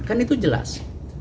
kan itu jelas